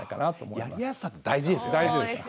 やりやすさって大事ですよね。